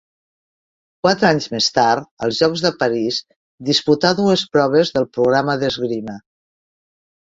Quatre anys més tard, als Jocs de París, disputà dues proves del programa d'esgrima.